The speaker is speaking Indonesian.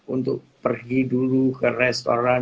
untuk pergi dulu ke restoran